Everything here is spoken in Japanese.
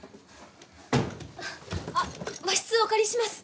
あっ和室お借りします。